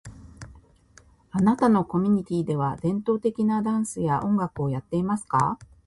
AnnÀ TAnOko minÍti DewÀ tento teKidan Se a on a koya te mas ka?